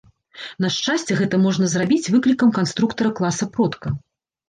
На шчасце, гэта можна зрабіць выклікам канструктара класа-продка.